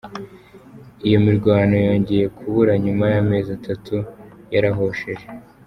Iyi mirwano yongeye kubura nyuma y’amezi atatu yarahosheje.